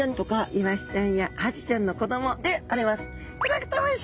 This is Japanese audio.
イワシちゃんやアジちゃんの子供であります。